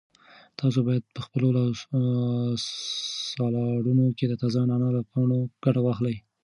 تاسو باید په خپلو سالاډونو کې د تازه نعناع له پاڼو ګټه واخلئ.